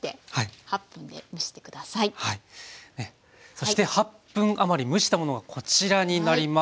そして８分余り蒸したものがこちらになります。